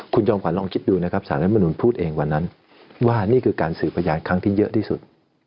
คุณจอมขวัลลองคิดดูนะครับสารรัฐมนุนพูดเองวันนั้นว่านี่คือการสื่อพยานครั้งที่เยอะที่สุด